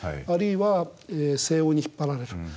あるいは西欧に引っ張られる。